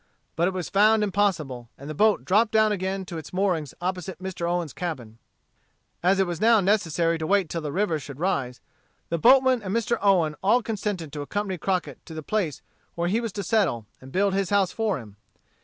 But it was found impossible, and the boat dropped down again to its moorings opposite Mr. Owen's cabin. As it was now necessary to wait till the river should rise, the boatmen and Mr. Owen all consented to accompany Crockett to the place where he was to settle, and build his house for him.